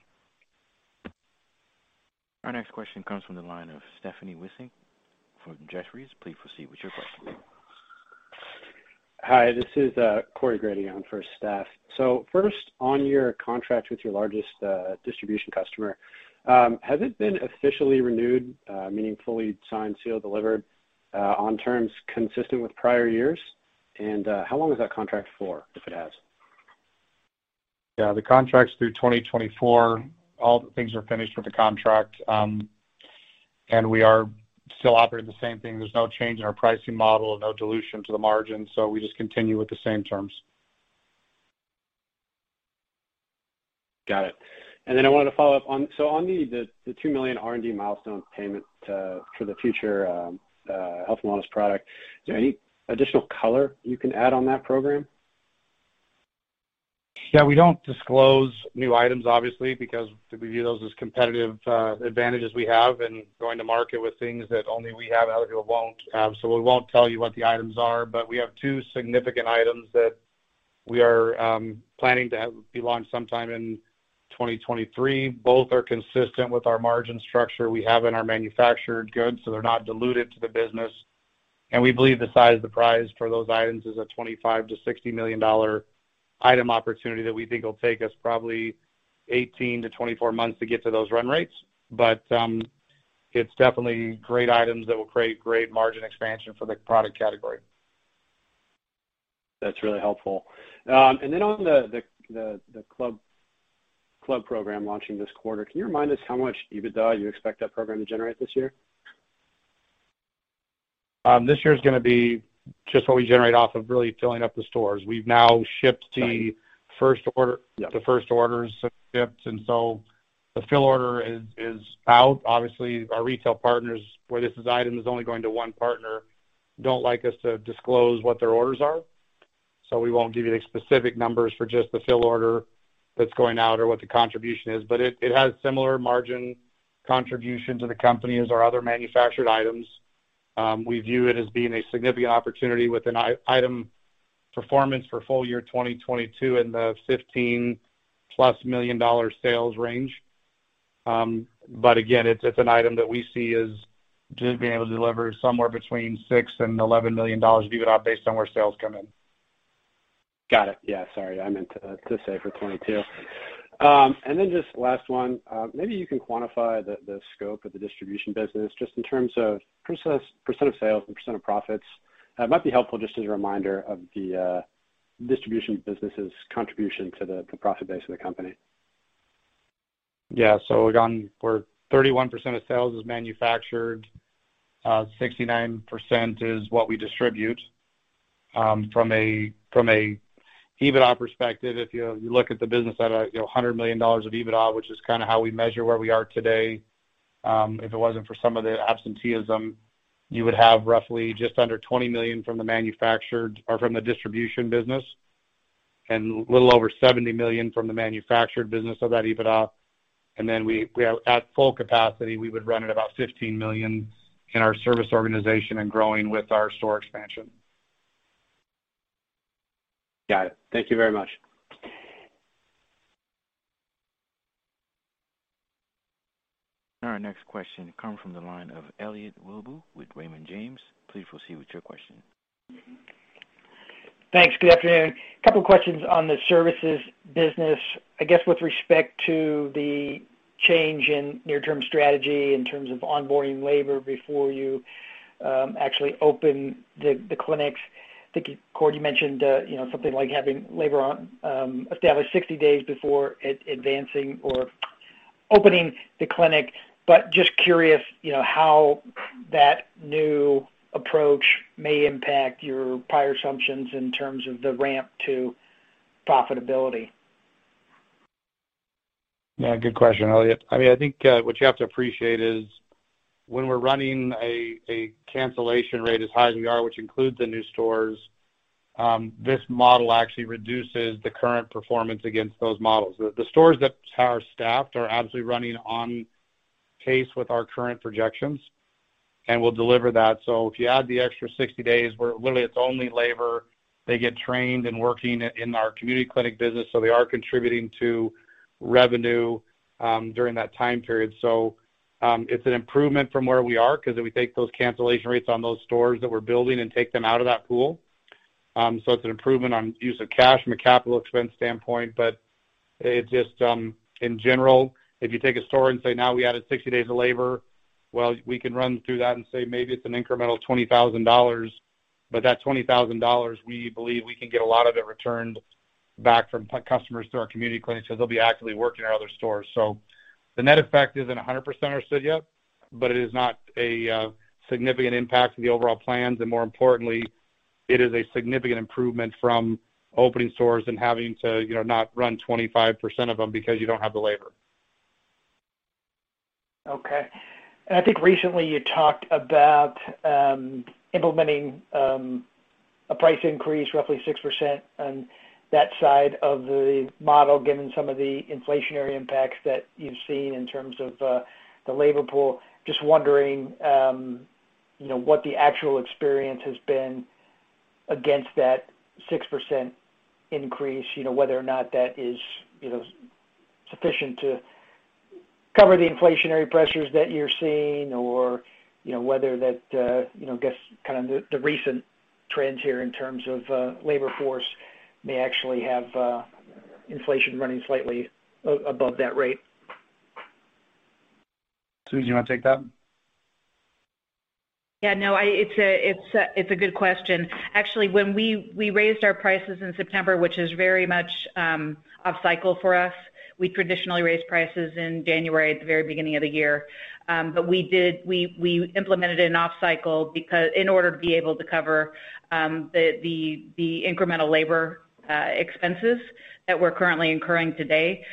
A: Our next question comes from the line of Stephanie Wissink from Jefferies. Please proceed with your question.
J: Hi, this is Corey Grady on for Steph. First on your contract with your largest distribution customer, has it been officially renewed, meaning fully signed, sealed, delivered, on terms consistent with prior years? How long is that contract for if it has?
C: Yeah, the contract's through 2024. All the things are finished with the contract, and we are still operating the same thing. There's no change in our pricing model, no dilution to the margin, so we just continue with the same terms.
J: Got it. I wanted to follow up on the $2 million R&D milestone payment for the future health and wellness product. Is there any additional color you can add on that program?
C: Yeah. We don't disclose new items obviously because we view those as competitive advantages we have in going to market with things that only we have and other people won't. So we won't tell you what the items are, but we have two significant items that we are planning to have be launched sometime in 2023. Both are consistent with our margin structure we have in our manufactured goods, so they're not diluted to the business. We believe the size of the prize for those items is a $25-$60 million item opportunity that we think will take us probably 18-24 months to get to those run rates. It's definitely great items that will create great margin expansion for the product category.
J: That's really helpful. On the club program launching this quarter, can you remind us how much EBITDA you expect that program to generate this year?
C: This year's gonna be just what we generate off of really filling up the stores. We've now shipped the
J: Right
C: first order.
J: Yeah.
C: The first orders have shipped, and so the fill order is out. Obviously, our retail partners for this item is only going to one partner, don't like us to disclose what their orders are, so we won't give you the specific numbers for just the fill order that's going out or what the contribution is. It has similar margin contribution to the company as our other manufactured items. We view it as being a significant opportunity with an item performance for full year 2022 in the $15+ million sales range. Again, it's an item that we see as just being able to deliver somewhere between $6 million and $11 million of EBITDA based on where sales come in.
J: Got it. Yeah, sorry. I meant to say for 2022. Just last one. Maybe you can quantify the scope of the distribution business just in terms of % of sales and % of profits. It might be helpful just as a reminder of the distribution business' contribution to the profit base of the company.
C: Yeah. Again, we're 31% of sales is manufactured, 69% is what we distribute. From a EBITDA perspective, if you look at the business at, you know, $100 million of EBITDA, which is kinda how we measure where we are today, if it wasn't for some of the absenteeism, you would have roughly just under $20 million from the manufactured or from the distribution business and a little over $70 million from the manufactured business of that EBITDA. We are at full capacity, we would run at about $15 million in our service organization and growing with our store expansion.
J: Got it. Thank you very much.
A: Our next question comes from the line of Elliot Wilbur with Raymond James. Please proceed with your question.
K: Thanks. Good afternoon. Couple questions on the services business. I guess with respect to the change in near-term strategy in terms of onboarding labor before you actually open the clinics. I think, Cordy, you mentioned you know something like having labor on established 60 days before advancing or opening the clinic. Just curious, you know, how that new approach may impact your prior assumptions in terms of the ramp to profitability.
C: Yeah, good question, Elliot. I mean, I think what you have to appreciate is when we're running a cancellation rate as high as we are, which includes the new stores, this model actually reduces the current performance against those models. The stores that are staffed are absolutely running on pace with our current projections, and we'll deliver that. If you add the extra 60 days, where literally it's only labor, they get trained and working in our community clinic business, so they are contributing to revenue during that time period. It's an improvement from where we are 'cause if we take those cancellation rates on those stores that we're building and take them out of that pool, it's an improvement on use of cash from a capital expense standpoint. It just in general, if you take a store and say, now we added 60 days of labor, well, we can run through that and say, maybe it's an incremental $20,000, but that $20,000, we believe we can get a lot of it returned back from customers through our community clinic. They'll be actively working in our other stores. The net effect isn't 100% understood yet, but it is not a significant impact to the overall plans. More importantly, it is a significant improvement from opening stores and having to, you know, not run 25% of them because you don't have the labor.
K: Okay. I think recently you talked about implementing a price increase roughly 6% on that side of the model, given some of the inflationary impacts that you've seen in terms of the labor pool. Just wondering, you know, what the actual experience has been against that 6% increase, you know, whether or not that is, you know, sufficient to cover the inflationary pressures that you're seeing or, you know, whether that, you know, I guess kind of the recent trends here in terms of labor force may actually have inflation running slightly above that rate.
C: Susan, do you wanna take that?
D: It's a good question. Actually, when we raised our prices in September, which is very much off cycle for us. We traditionally raise prices in January at the very beginning of the year. We implemented an off cycle because, in order to be able to cover the incremental labor expenses that we're currently incurring today.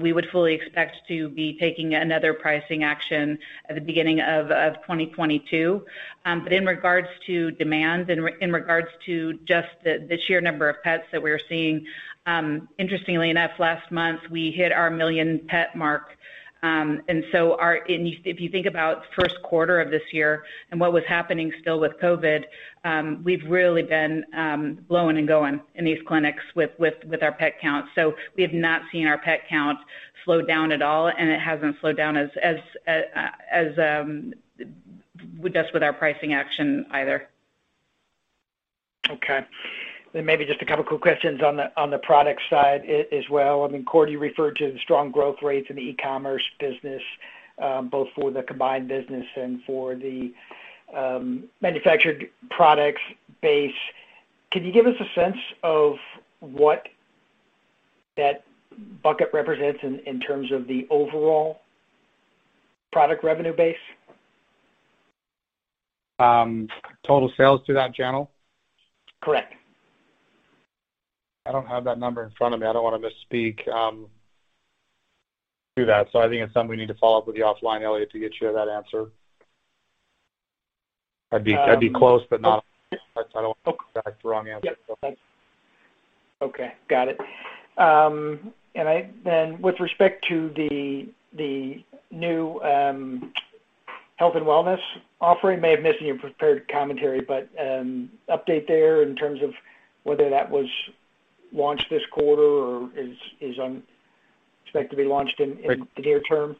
D: We would fully expect to be taking another pricing action at the beginning of 2022. In regards to demand, in regards to just the sheer number of pets that we're seeing, interestingly enough, last month, we hit our 1 million pet mark. Our... If you think about first quarter of this year and what was happening still with COVID, we've really been blowing and going in these clinics with our pet count. We have not seen our pet count slow down at all, and it hasn't slowed down as with just our pricing action either.
K: Maybe just a couple quick questions on the product side as well. I mean, Cordy referred to the strong growth rates in the e-commerce business, both for the combined business and for the manufactured products base. Can you give us a sense of what that bucket represents in terms of the overall product revenue base?
C: Total sales through that channel?
K: Correct.
C: I don't have that number in front of me. I don't wanna misspeak to that. I think it's something we need to follow up with you offline, Elliot, to get you that answer. I'd be close, but I don't want to provide the wrong answer.
K: Yep. Okay, got it. With respect to the new health and wellness offering, I may have missed in your prepared commentary, but update there in terms of whether that was launched this quarter or is unexpected to be launched in the near term?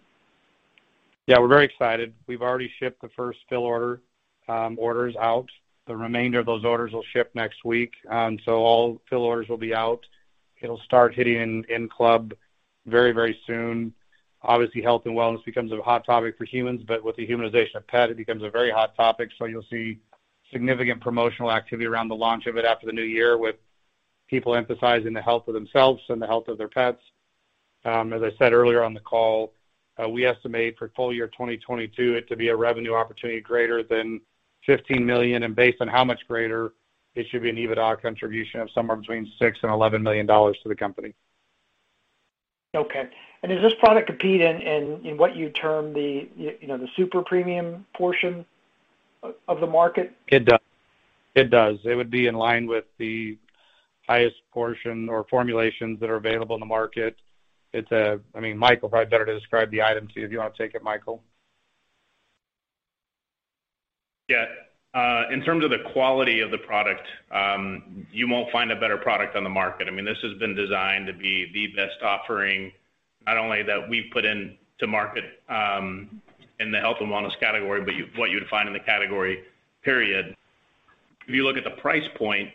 C: Yeah, we're very excited. We've already shipped the first fill order, orders out. The remainder of those orders will ship next week. So all fill orders will be out. It'll start hitting in club very, very soon. Obviously, health and wellness becomes a hot topic for humans, but with the humanization of pet, it becomes a very hot topic. You'll see significant promotional activity around the launch of it after the new year with people emphasizing the health of themselves and the health of their pets. As I said earlier on the call, we estimate for full year 2022 it to be a revenue opportunity greater than $15 million, and based on how much greater it should be an EBITDA contribution of somewhere between $6 million and $11 million to the company.
K: Does this product compete in what you term the, you know, the super premium portion of the market?
C: It does. It would be in line with the highest potency formulations that are available in the market. I mean, Michael, probably better to describe the item to you if you wanna take it, Michael.
H: Yeah. In terms of the quality of the product, you won't find a better product on the market. I mean, this has been designed to be the best offering, not only that we've put into market, in the health and wellness category, but what you'd find in the category, period. If you look at the price point,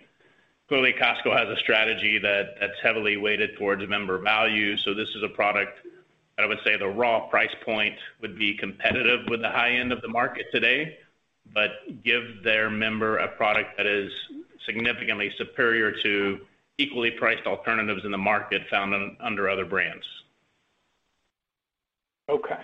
H: clearly, Costco has a strategy that's heavily weighted towards member value. This is a product that I would say the raw price point would be competitive with the high end of the market today, but give their member a product that is significantly superior to equally priced alternatives in the market found under other brands.
K: Okay.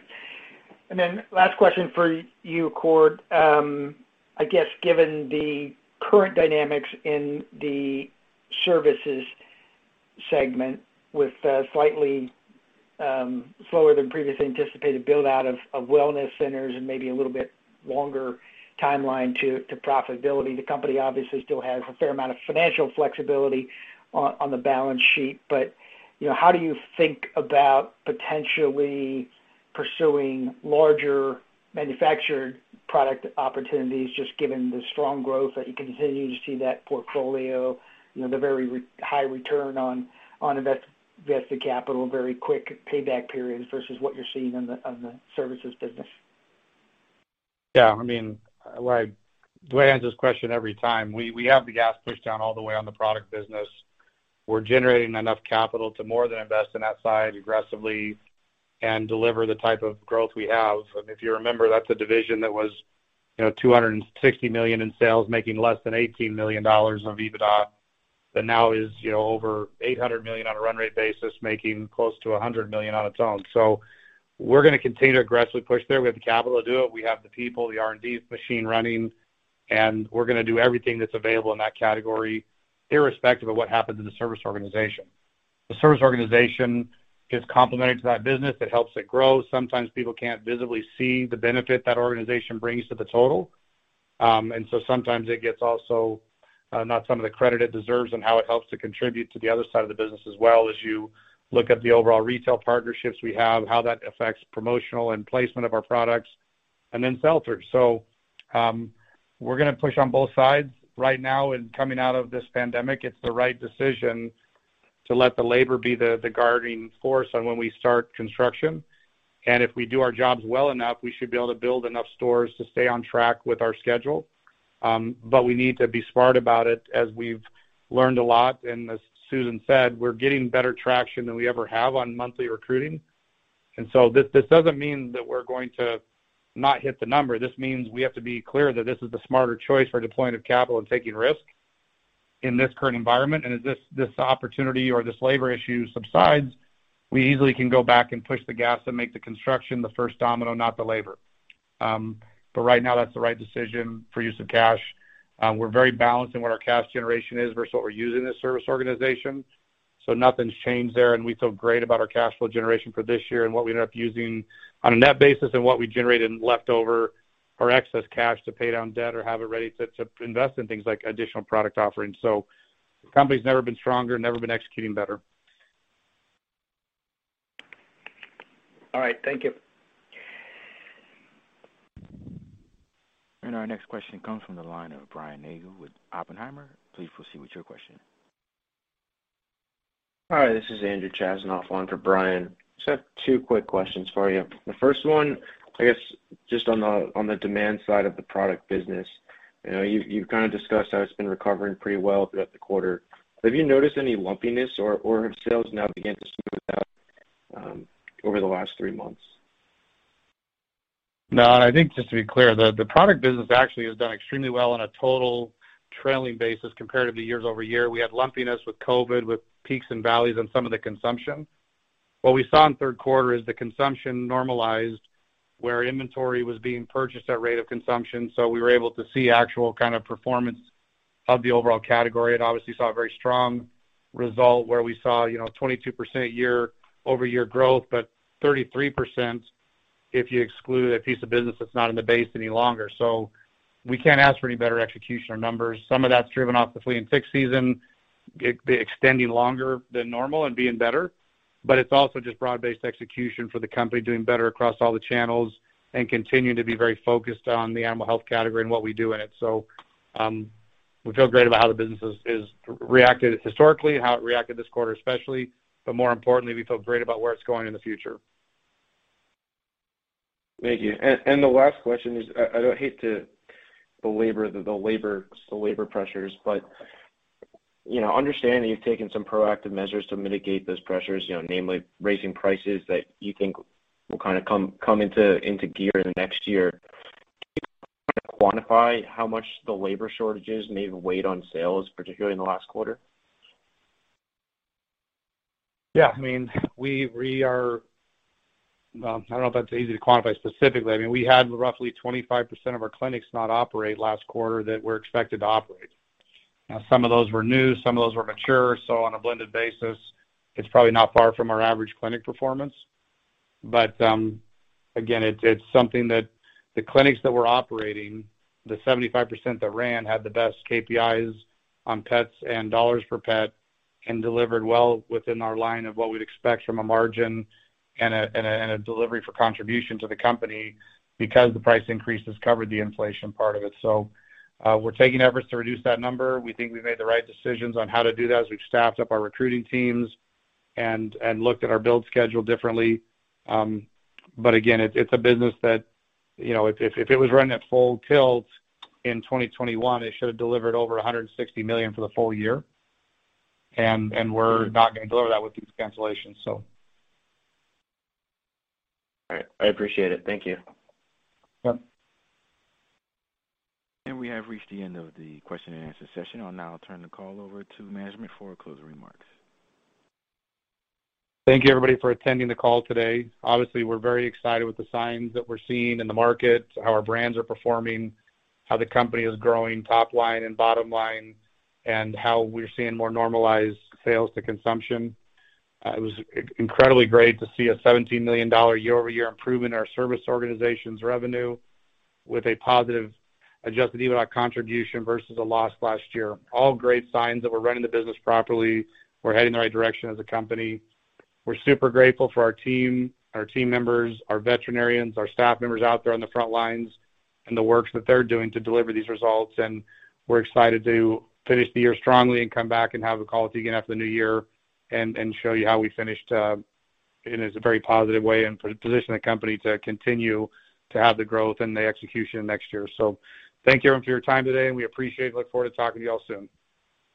K: Last question for you, Cord. I guess given the current dynamics in the services segment with a slightly slower than previously anticipated build-out of wellness centers and maybe a little bit longer timeline to profitability, the company obviously still has a fair amount of financial flexibility on the balance sheet. But, you know, how do you think about potentially pursuing larger manufactured product opportunities just given the strong growth that you continue to see in that portfolio, you know, the very really high return on invested capital, very quick payback periods versus what you're seeing on the services business?
C: Yeah. I mean, the way I answer this question every time, we have the gas pushed down all the way on the product business. We're generating enough capital to more than invest in that side aggressively and deliver the type of growth we have. If you remember, that's a division that was, you know, $260 million in sales, making less than $18 million of EBITDA, that now is, you know, over $800 million on a run rate basis, making close to $100 million on its own. We're gonna continue to aggressively push there. We have the capital to do it. We have the people, the R&D machine running, and we're gonna do everything that's available in that category, irrespective of what happens in the service organization. The service organization is complementary to that business. It helps it grow. Sometimes people can't visibly see the benefit that organization brings to the total. Sometimes it gets also not some of the credit it deserves and how it helps to contribute to the other side of the business as well as you look at the overall retail partnerships we have, how that affects promotional and placement of our products, and then shelters. We're gonna push on both sides. Right now and coming out of this pandemic, it's the right decision to let the labor be the guiding force on when we start construction. If we do our jobs well enough, we should be able to build enough stores to stay on track with our schedule. We need to be smart about it as we've learned a lot. As Susan said, we're getting better traction than we ever have on monthly recruiting. This doesn't mean that we're going to not hit the number. This means we have to be clear that this is the smarter choice for deploying of capital and taking risk in this current environment. As this opportunity or this labor issue subsides, we easily can go back and push the gas and make the construction the first domino, not the labor. But right now, that's the right decision for use of cash. We're very balanced in what our cash generation is versus what we're using in the service organization. Nothing's changed there, and we feel great about our cash flow generation for this year and what we end up using on a net basis and what we generate in leftover or excess cash to pay down debt or have it ready to invest in things like additional product offerings. The company's never been stronger, never been executing better.
K: All right. Thank you.
A: Our next question comes from the line of Brian Nagel with Oppenheimer. Please proceed with your question.
L: Hi, this is Andrew Chasnoff on for Brian. Just have 2 quick questions for you. The first one, I guess, just on the demand side of the product business. You know, you've kind of discussed how it's been recovering pretty well throughout the quarter. Have you noticed any lumpiness or have sales now began to smooth out over the last three months?
C: No. I think just to be clear, the product business actually has done extremely well on a total trailing basis compared to the year-over-year. We had lumpiness with COVID, with peaks and valleys on some of the consumption. What we saw in third quarter is the consumption normalized, where inventory was being purchased at rate of consumption. We were able to see actual kind of performance of the overall category. It obviously saw a very strong result where we saw, you know, 22% year-over-year growth, but 33% if you exclude a piece of business that's not in the base any longer. We can't ask for any better execution or numbers. Some of that's driven by the flea and tick season, it extending longer than normal and being better. It's also just broad-based execution for the company doing better across all the channels and continuing to be very focused on the animal health category and what we do in it. We feel great about how the business has reacted historically, how it reacted this quarter, especially. More importantly, we feel great about where it's going in the future.
L: Thank you. The last question is, I don't hate to belabor the labor pressures, but you know, understanding you've taken some proactive measures to mitigate those pressures, you know, namely raising prices that you think will kind of come into gear in the next year. Can you quantify how much the labor shortages may have weighed on sales, particularly in the last quarter?
C: Yeah. I mean... Well, I don't know if that's easy to quantify specifically. I mean, we had roughly 25% of our clinics not operate last quarter that were expected to operate. Now, some of those were new, some of those were mature. So on a blended basis, it's probably not far from our average clinic performance. But again, it's something that the clinics that were operating, the 75% that ran had the best KPIs on pets and dollars per pet and delivered well within our line of what we'd expect from a margin and a delivery for contribution to the company because the price increase has covered the inflation part of it. So we're taking efforts to reduce that number. We think we've made the right decisions on how to do that, as we've staffed up our recruiting teams and looked at our build schedule differently. Again, it's a business that, you know, if it was running at full tilt in 2021, it should have delivered over $160 million for the full year. We're not gonna deliver that with these cancellations.
L: All right. I appreciate it. Thank you.
C: Yep.
A: We have reached the end of the question and answer session. I'll now turn the call over to management for closing remarks.
C: Thank you, everybody, for attending the call today. Obviously, we're very excited with the signs that we're seeing in the market, how our brands are performing, how the company is growing top line and bottom line, and how we're seeing more normalized sales to consumption. It was incredibly great to see a $17 million year-over-year improvement in our service organization's revenue with a positive adjusted EBITDA contribution versus a loss last year. All great signs that we're running the business properly. We're heading the right direction as a company. We're super grateful for our team, our team members, our veterinarians, our staff members out there on the front lines and the works that they're doing to deliver these results. We're excited to finish the year strongly and come back and have a call with you again after the new year and show you how we finished in a very positive way and position the company to continue to have the growth and the execution next year. Thank you, everyone, for your time today, and we appreciate it. We look forward to talking to you all soon.